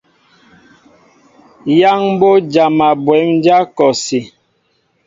Yaŋ mbo jama bwémdja kɔsí.